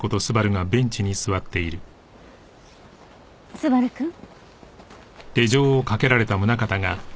昴くん。